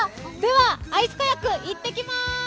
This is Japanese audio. ではアイスカヤック、いってきまーす。